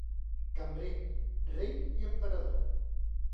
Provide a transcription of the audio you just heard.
Cambrer, rei i emperador.